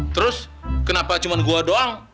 terus kenapa cuma gua doang